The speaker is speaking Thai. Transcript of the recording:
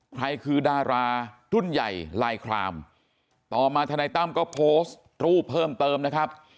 ใครคือดารารุ่นใหญ่ลายคลามต่อมาธนายตั้มก็โพสต์รูปเพิ่มเติมนะครับ